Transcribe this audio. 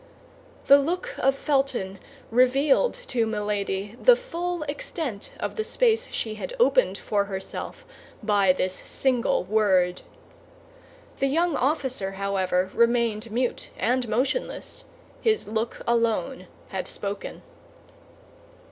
The look of Felton revealed to Milady the full extent of the space she had opened for herself by this single word. The young officer, however, remained mute and motionless; his look alone had spoken.